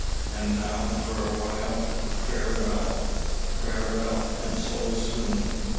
And now, for a while, farewell!" Farewell! And so soon.